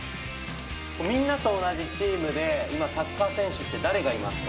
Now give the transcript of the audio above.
みんなと同じチームで今、サッカー選手って、誰がいますか？